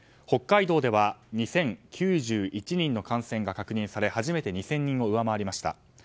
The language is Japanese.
北海道では２０９１人の感染が確認され初めて２０００人を上回りました。